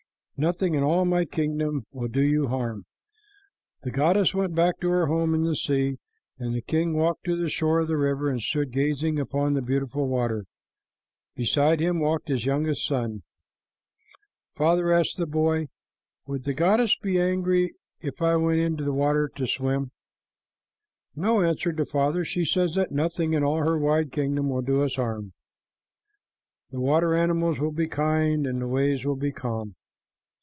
Nothing in all my kingdom will do you harm." The goddess went back to her home in the sea, and the king walked to the shore of the river and stood gazing upon the beautiful water. Beside him walked his youngest son. "Father," asked the boy, "would the goddess be angry if I went into the water to swim?" "No," answered the father. "She says that nothing in all her wide kingdom will do us harm. The water animals will be kind, and the waves will be calm."